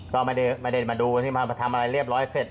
ก็มาเดินมาดูทำอะไรเรียบร้อยเสร็จ